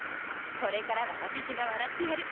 これからは私が笑ってやる。